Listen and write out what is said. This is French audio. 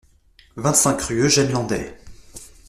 vingt-cinq rue Eugène Landais